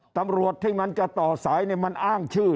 ตำรวจที่มันจะต่อสายมันอ้างชื่อ